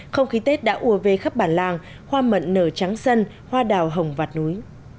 không khí tết đã ùa về khắp bản làng hoa mận nở trắng sân hoa đào hồng vạt núi